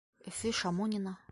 Өфө, Шамонино